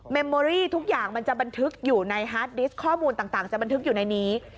มโมรี่ทุกอย่างมันจะบันทึกอยู่ในฮาร์ดดิสต์ข้อมูลต่างจะบันทึกอยู่ในนี้